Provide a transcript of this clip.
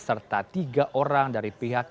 serta tiga orang dari pihak